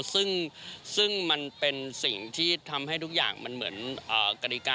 ซึ่งมันเป็นสิ่งที่ทำให้ทุกอย่างมันเหมือนกฎิกา